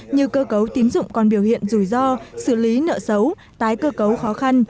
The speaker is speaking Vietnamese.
như cơ cấu tín dụng còn biểu hiện rủi ro xử lý nợ xấu tái cơ cấu khó khăn